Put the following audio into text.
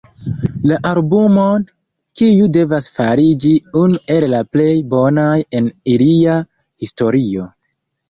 La albumon, kiu devas fariĝi unu el la plej bonaj en ilia historio.